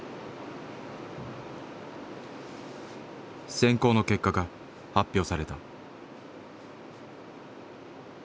選考の結果が発表された。